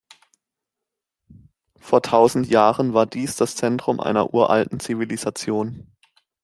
Vor tausend Jahren war dies das Zentrum einer uralten Zivilisation.